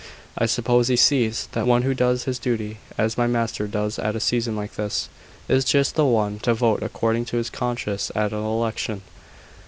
I suppose he sees that one who does his duty as my master does at a season like this, is just the one to vote according to his conscience at an election.